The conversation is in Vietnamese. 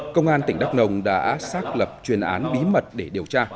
công an tỉnh đắk nông đã xác lập chuyên án bí mật để điều tra